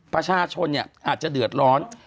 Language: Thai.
ประชาชนอาจจะเดือดร้อน